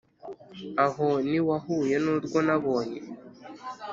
Aho niwahuye nurwo nabonye